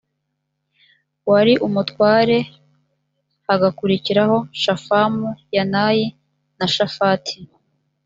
wari umutware hagakurikiraho shafamu yanayi na shafati